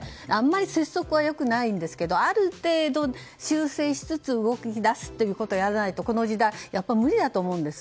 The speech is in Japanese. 拙速はよくありませんがある程度、修正しつつ動き出すということをやらないとこの時代やっぱり無理だと思うんです。